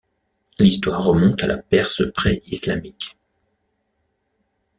L'histoire remonte à la Perse pré-islamique.